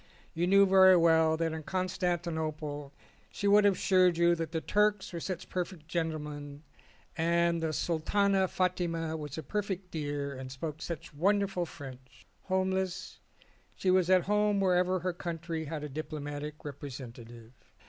You knew very well that in Constantinople she would have assured you that the Turks were such perfect gentlemen and the Sultana Fatima was a perfect dear and spoke such wonderful French. Home less, she was at home wherever her country had a diplomatic representative.